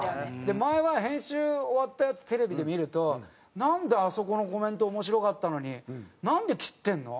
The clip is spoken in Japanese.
前は編集終わったやつテレビで見ると「なんであそこのコメント面白かったのになんで切ってるの？」。